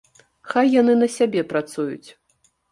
Хай яны на сябе працуюць.